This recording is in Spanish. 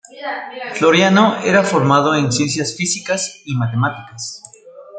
Floriano era formado en Ciencias Físicas y Matemáticas.